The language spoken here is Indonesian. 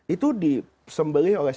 itu disembelih oleh